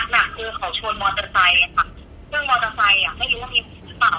หนักคือเขาชวนมอเตอร์ไซค์เรื่องมอเตอร์ไซค์ไม่รู้ว่ามีมุมหรือเปล่า